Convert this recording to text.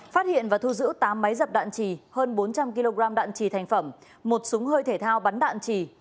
phát hiện và thu giữ tám máy dập đạn trì hơn bốn trăm linh kg đạn trì thành phẩm một súng hơi thể thao bắn đạn trì